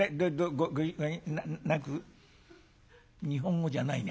「日本語じゃないね